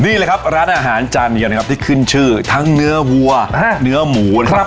นี่เลยครับร้านอาหารจานเดียวนะครับที่ขึ้นชื่อทั้งเนื้อวัวเนื้อหมูนะครับ